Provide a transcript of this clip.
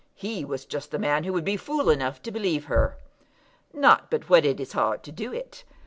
He was just the man who would be fool enough to believe her. "Not but what it is hard to do it.